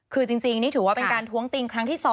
คือจริงนี่ถือว่าเป็นการท้วงติงครั้งที่๒